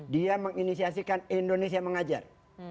dia menginisasikan indonesia mengajar